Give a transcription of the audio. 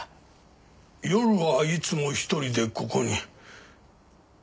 夜はいつも一人でここに。